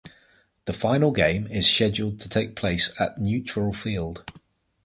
The final game is scheduled to take place at neutral field.